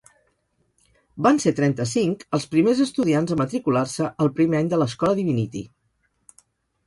Van ser trenta-cinc els primers estudiants a matricular-se el primer any de l'escola Divinity.